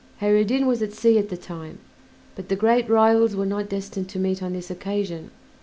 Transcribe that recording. Kheyr ed Din was at sea at the time, but the great rivals were not destined to meet on this occasion.